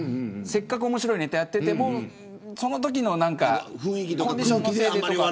せっかく面白いネタをやっていてもそのときのコンディションのせいでとか。